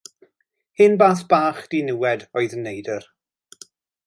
Hen beth bach diniwed oedd y neidr.